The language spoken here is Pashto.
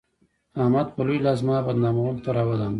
احمد به لوی لاس زما بدنامولو ته راودانګل.